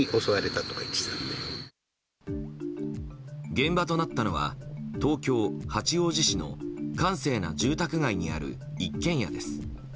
現場となったのは東京・八王子市の閑静な住宅街にある一軒家です。